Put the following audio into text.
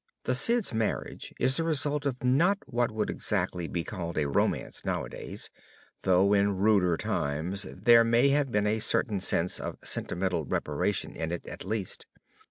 The Cid's marriage is the result of not what would exactly be called a romance nowadays, though in ruder times there may have been a certain sense of sentimental reparation in it at least.